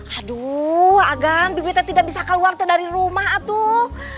aduh agan bibitnya tidak bisa keluar dari rumah tuh